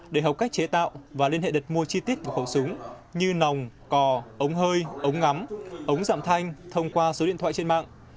để học cách chế tạo và liên hệ đặt mua chi tiết của khẩu súng như nòng cò ống hơi ống ngắm ống giảm thanh thông qua số điện thoại trên mạng